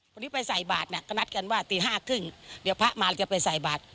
วันนี้ไปใส่บาทเนี่ยก็นัดกันว่าตี๕๓๐เดี๋ยวพระมาเราจะไปใส่บาท